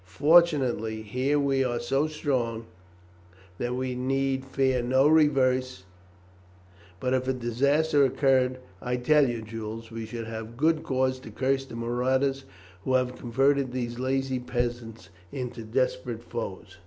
Fortunately, here we are so strong that we need fear no reverse, but if a disaster occurred I tell you, Jules, we should have good cause to curse the marauders who have converted these lazy peasants into desperate foes."